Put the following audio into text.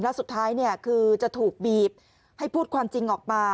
แล้วสุดท้ายคือจะถูกบีบให้พูดความจริงออกมา